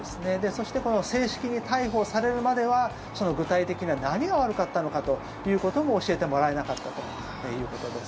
そして、正式に逮捕されるまでは具体的な何が悪かったのかということも教えてもらえなかったということです。